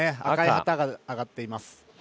赤い旗が上がっています。